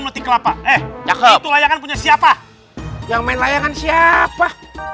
multi kelapa eh ya kelayakan punya siapa yang main layanan siapa